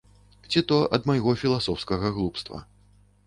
Ці то ад майго філасофскага глупства.